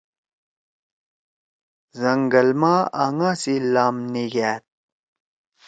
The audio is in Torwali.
زنگل ما آنگا سی لام نھِگأد۔